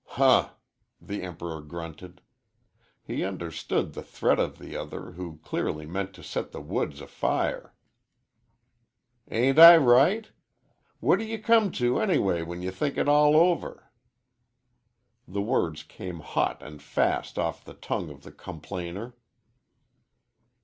"Huh!" the Emperor grunted. He understood the threat of the other, who clearly meant to set the woods afire. "Ain't I right? What d' ye come to, anyway, when ye think it all over?" The words came hot and fast off the tongue of the com plainer.